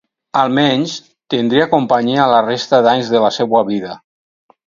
Almenys tindria companyia la resta d'anys de la seua vida.